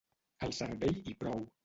Al cervell i prou.